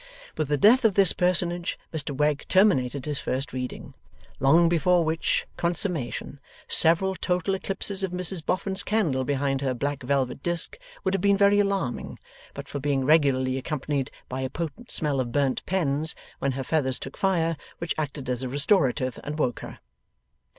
With the death of this personage, Mr Wegg terminated his first reading; long before which consummation several total eclipses of Mrs Boffin's candle behind her black velvet disc, would have been very alarming, but for being regularly accompanied by a potent smell of burnt pens when her feathers took fire, which acted as a restorative and woke her.